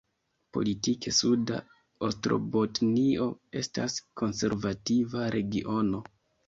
Politike Suda Ostrobotnio estas konservativa regiono.